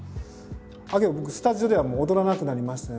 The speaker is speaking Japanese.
あっ僕スタジオではもう踊らなくなりましたね